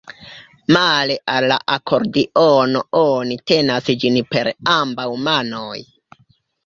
Male al la akordiono oni tenas ĝin per ambaŭ manoj.